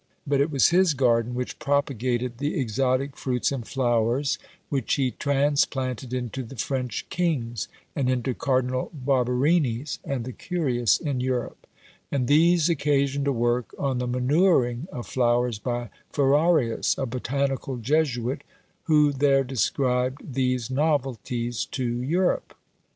But it was his garden which propagated the exotic fruits and flowers, which he transplanted into the French king's, and into Cardinal Barberini's, and the curious in Europe; and these occasioned a work on the manuring of flowers by Ferrarius, a botanical Jesuit, who there described these novelties to Europe.